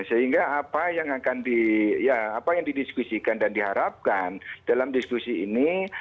sehingga apa yang akan didiskusikan dan diharapkan dalam diskusi ini